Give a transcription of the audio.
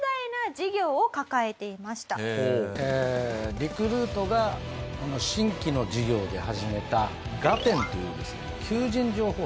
リクルートが新規の事業で始めた『ガテン』というですね求人情報誌。